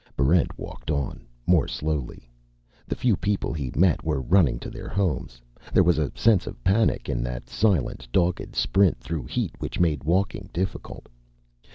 Barrent walked on, more slowly. The few people he met were running to their homes. There was a sense of panic in that silent, dogged sprint through heat which made walking difficult.